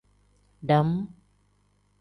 Dam.